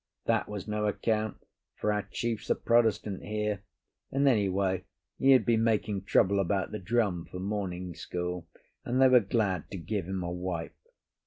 That was no account, for our chiefs are Protestant here; and, anyway, he had been making trouble about the drum for morning school, and they were glad to give him a wipe.